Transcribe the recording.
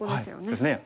そうですね。